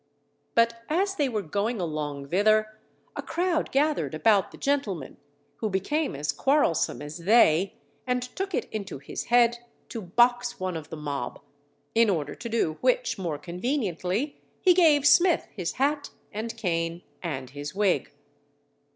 But as they were going along thither, a crowd gathered about the gentleman, who became as quarrelsome as they, and took it into his head to box one of the mob, in order to do which more conveniently, he gave Smith his hat and cane, and his wig.